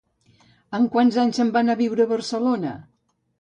Amb quants anys se'n va anar a viure a Barcelona?